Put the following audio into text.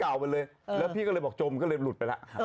ไปเลยแล้วพี่ก็เลยบอกจมก็เลยหลุดไปแล้ว